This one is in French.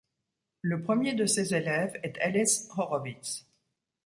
Le premier de ses élèves est Ellis Horowitz.